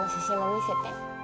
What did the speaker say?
見せて。